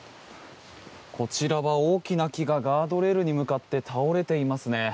こちらは大きな木がガードレールに向かって倒れていますね。